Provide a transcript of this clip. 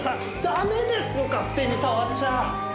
ダメですよ勝手に触っちゃ！